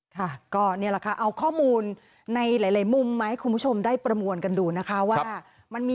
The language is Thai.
ค่ะก็นี่แหละค่ะเอาข้อมูลในหลายมุมมาให้คุณผู้ชมได้ประมวลกันดูนะคะว่ามันมี